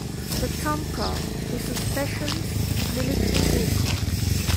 The Tomcar is a specialist military vehicle.